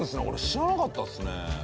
俺知らなかったですね。